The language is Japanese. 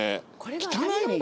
汚いもん